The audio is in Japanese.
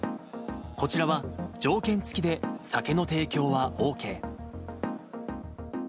こちらは、条件付きで酒の提供はＯＫ。